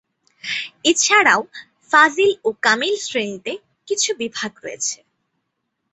এছাড়া ফাজিল ও কামিল শ্রেণীতে কিছু বিভাগ রয়েছে।